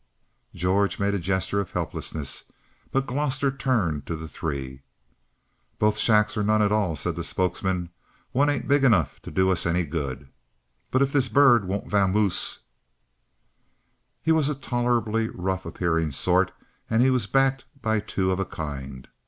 George made a gesture of helplessness; but Gloster turned to the three. "Both shacks or none at all," said the spokesman. "One ain't big enough to do us any good. But if this bird won't vamoose " He was a tolerably rough appearing sort and he was backed by two of a kind.